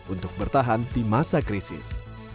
untuk bertahan di masa krisis